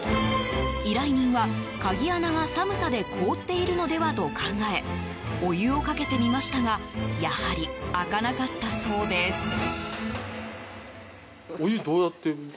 依頼人は、鍵穴が寒さで凍っているのではと考えお湯をかけてみましたがやはり開かなかったそうです。